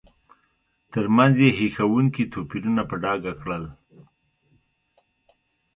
ترمنځ یې هیښوونکي توپیرونه په ډاګه کړل.